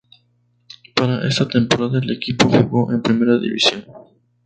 Para esta temporada el equipo jugó en primera división.